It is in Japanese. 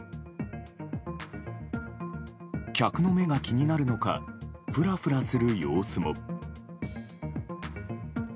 客の目が気になるのかふらふらする様子も。